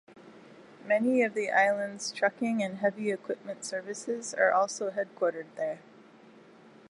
Many of the island's trucking and heavy-equipment services are also headquartered there.